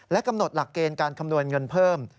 กำหนดหลักเกณฑ์การคำนวณเงินเพิ่ม